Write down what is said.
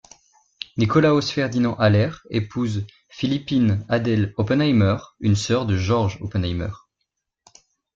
Nicolaus Ferdinand Haller épouse Phillipine Adele Oppenheimer, une sœur de Georg Oppenheimer.